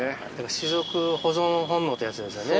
種族保存本能というやつですよね。